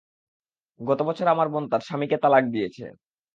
গতবছর আমার বোন তার স্বামীকে তালাক দিয়েছে।